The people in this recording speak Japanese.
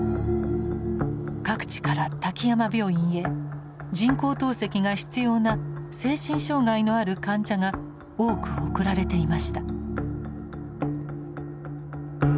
各地から滝山病院へ人工透析が必要な精神障害のある患者が多く送られていました。